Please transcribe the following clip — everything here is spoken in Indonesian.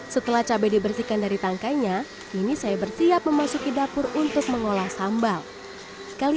setelah cabai dibersihkan dari tangkainya ini saya bersiap memasuki dapur untuk mengolah sambal kali ini saya bersiap memasuki dapur untuk mengolah sambal